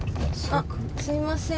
あっすいません。